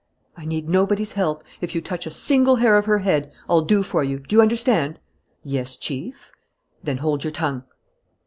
"I need nobody's help. If you touch a single hair of her head, I'll do for you. Do you understand?" "Yes, Chief." "Then hold your tongue."